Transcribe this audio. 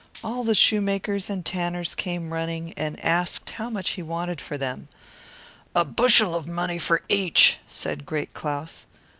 All the shoemakers and tanners came running, and asked how much he wanted for them. "A bushel of money, for each," replied Great Claus.